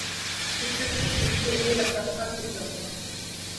بچھڑ کے تجھ سے یہ لگتا تھا ٹوٹ جاؤں گا